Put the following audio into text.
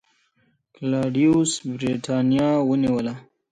کلاډیوس برېټانیا ونیوله